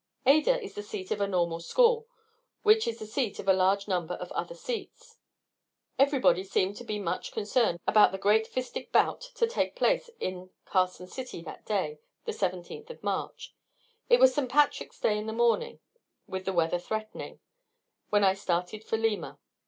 Ada is the seat of a Normal School, which is the seat of a large number of other seats. Everybody seemed to be much concerned about the great fistic bout to take place in Carson City that day; the 17th of March. It was "St. Patrick's Day in the morning," with the weather threatening, when I started for Lima.